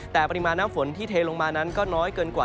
แต่ปริมาณน้ำฝนที่เทลงมานั้นก็น้อยเกินกว่า